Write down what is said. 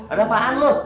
ada apaan lu